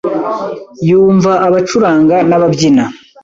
yumva abacuranga n’ababyina.